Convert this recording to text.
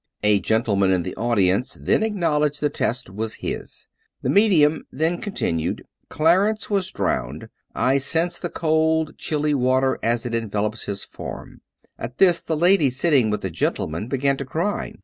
" A gentle man in the audience then acknowledged the test as his. The medium then continued :" Clarence was drowned. I sense the cold chilly water as it envelopes his form." At this the lady sitting with the gentleman began to cry.